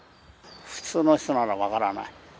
普通の人なら分からない。